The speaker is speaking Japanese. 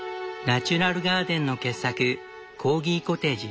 ナチュラルガーデンの傑作コーギコテージ。